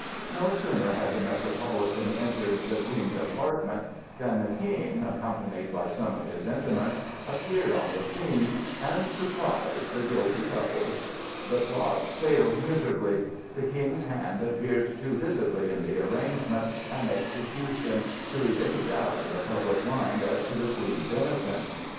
No sooner had the Metropolitan entered the Queen's apartments than the King, accompanied by some of his intimates, appeared on the scene and "surprised the guilty couple." The plot failed miserably; the King's hand appeared too visibly in the arrangement and execution to leave any doubt in the public mind as to the Queen's innocence.